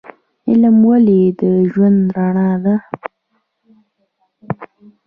علم ولې د ژوند رڼا ده؟